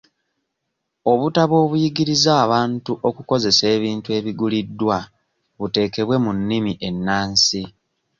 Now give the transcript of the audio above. Obutabo obuyigiriza abantu okukozesa ebintu ebiguliddwa buteekebwe mu nnimi ennansi.